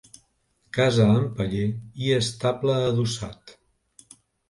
Casa amb paller i estable adossats.